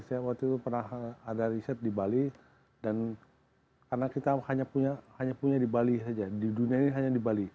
saya waktu itu pernah ada riset di bali dan karena kita hanya punya di bali saja di dunia ini hanya di bali